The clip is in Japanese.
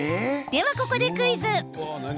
では、ここでクイズ。